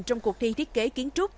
trong cuộc thi thiết kế kiến trúc